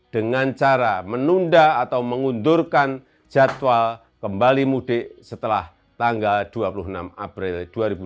dengan cara menunda atau mengundurkan jadwal kembali mudik setelah tanggal dua puluh enam april dua ribu dua puluh